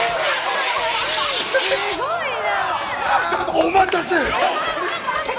お待たせ！